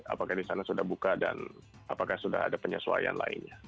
apakah di sana sudah buka dan apakah sudah ada penyesuaian lainnya